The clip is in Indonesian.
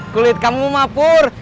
kulit kamu mah pur